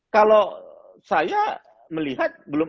kalau saya melihat belum